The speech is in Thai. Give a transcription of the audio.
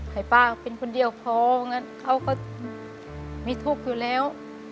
ให้ป้าเป็นคนเดียวพองั้นเขาก็มีทุกข์อยู่แล้ว